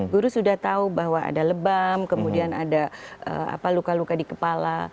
guru sudah tahu bahwa ada lebam kemudian ada luka luka di kepala